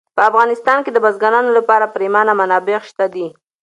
په افغانستان کې د بزګانو لپاره پریمانه منابع شته دي.